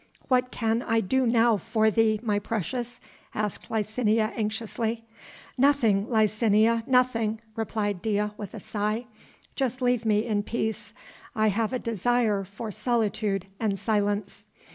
"What can I do now for thee, my precious?" asked Licinia anxiously. "Nothing, Licinia, nothing," replied Dea with a sigh. "Just leave me in peace.... I have a desire for solitude and silence."